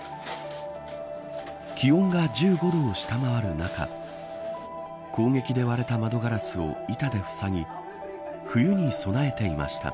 気温が１５度を下回る中攻撃で割れた窓ガラスを板でふさぎ冬に備えていました。